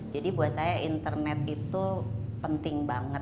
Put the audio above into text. jadi buat saya internet itu penting banget